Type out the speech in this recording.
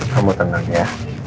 kamu tenang ya